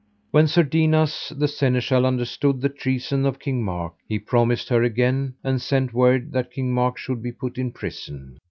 When Sir Dinas the Seneschal understood the treason of King Mark he promised her again, and sent her word that King Mark should be put in prison.